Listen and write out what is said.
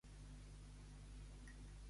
Per què creia Plató que el va acusar?